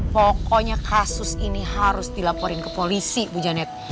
pokoknya kasus ini harus dilaporin ke polisi bu janet